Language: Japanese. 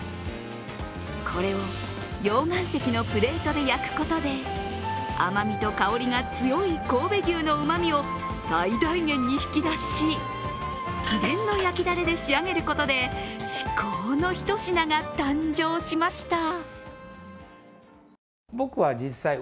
これを溶岩石のプレートで焼くことで甘みと香りが強い神戸牛のうまみを最大限に引き出し、秘伝の焼きだれで仕上げることで至高の一品が誕生しました。